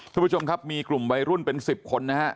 คุณผู้ชมครับมีกลุ่มวัยรุ่นเป็น๑๐คนนะฮะ